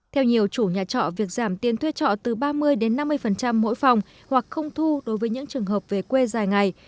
theo nhiều chủ nhà trọ việc giảm tiền thuê trọ từ ba mươi đến năm mươi mỗi phòng hoặc không thu đối với những trường hợp về quê dài ngày